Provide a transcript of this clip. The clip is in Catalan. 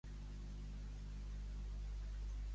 I què és el que li permeté la seva labor?